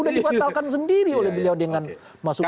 udah dipatalkan sendiri oleh beliau dengan masuk ke